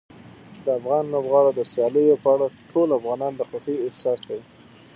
د افغان لوبغاړو د سیالیو په اړه ټول افغانان د خوښۍ احساس کوي.